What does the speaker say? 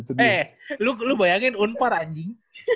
eh lu bayangin unpar anjing